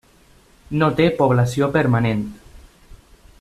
No té població permanent.